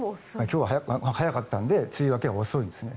今回は早かったので梅雨明けは遅いんですね。